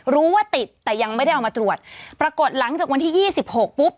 ว่าติดแต่ยังไม่ได้เอามาตรวจปรากฏหลังจากวันที่ยี่สิบหกปุ๊บ